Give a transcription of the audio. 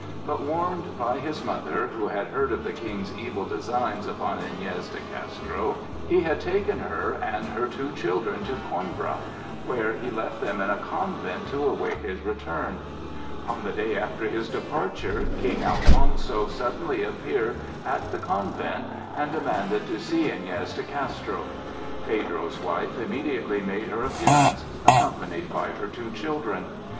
But warned by his mother, who had heard of the King's evil designs upon Iñez de Castro, he had taken her and her two children to Coimbra, where he left them in a convent to await his return. On the day after his departure, King Alfonso suddenly appeared at the convent and demanded to see Iñez de Castro. Pedro's wife immediately made her appearance, accompanied by her two children.